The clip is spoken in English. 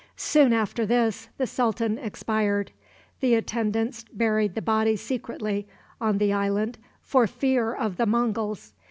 Soon after this the sultan expired. The attendants buried the body secretly on the island for fear of the Monguls.